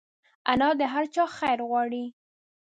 انا د هر چا خیر غواړي